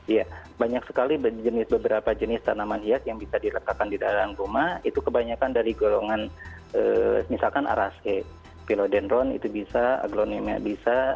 iya banyak sekali jenis beberapa jenis tanaman hias yang bisa diletakkan di dalam rumah itu kebanyakan dari golongan misalkan araske pilodendron itu bisa aglonema bisa